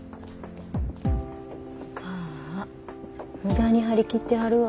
ああ無駄に張り切ってはるわ。